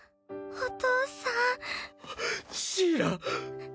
お父さん！